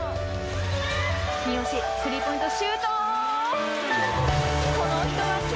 三好スリーポイントシュート！